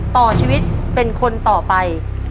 ต่อชีวิตเป็นคนต่อไป